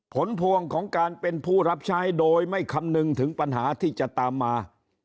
ผลพวงของการเป็นผู้รับใช้โดยไม่คำนึงถึงปัญหาที่จะตามมา